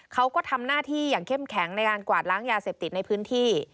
เขาก็ทำหน้าที่อย่างเข้มแข็งในการกวาดล้างยาเสพติดในพื้นที่